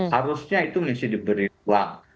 harusnya itu mesti diberi ruang